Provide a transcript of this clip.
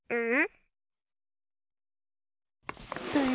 うん？